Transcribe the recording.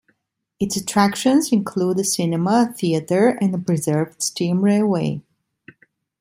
Its attractions include a cinema, a theatre and a preserved steam railway.